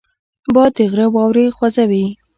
باد د غره واورې خوځوي